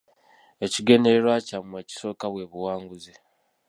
Ekigendererwa kyammwe ekisooka bwe buwanguzi.